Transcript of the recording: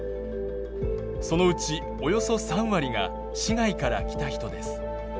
そのうちおよそ３割が市外から来た人です。